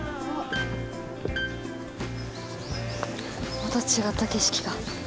また違った景色が。